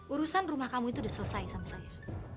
urusan rumah kamu itu udah selesai sama saya